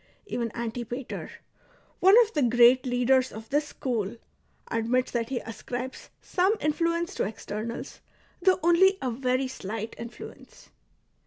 Even Antipater,'^ one of the great leaders of this school, admits that he ascribes some influence to externals, tliough only a very slight influence.